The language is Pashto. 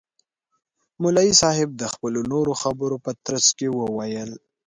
مولوی صاحب د خپلو نورو خبرو په ترڅ کي وویل.